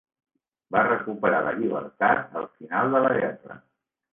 Va recuperar la llibertat al final de la guerra.